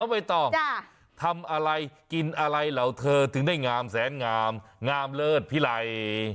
ไม่ต้องทำอะไรกินอะไรเหล่าเธอถึงได้งามแสนงามงามเลิศพิไล